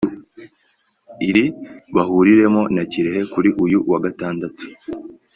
iri buhuriremo na Kirehe kuri uyu wa Gatandatu